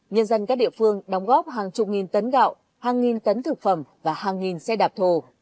nhân dân các địa phương đóng góp hàng chục nghìn tấn gạo hàng nghìn tấn thực phẩm và hàng nghìn xe đạp thổ